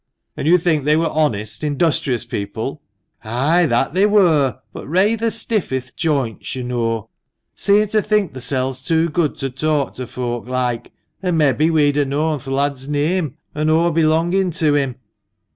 "And you think they were honest, industrious people?" " Ay ! that they were, but rayther stiff i' th' joints, yo' know — seemed to think theirsel's too good to talk to folk like ; or, mebbe we'd ha' known th' lad's neame an' o' belongin' to him.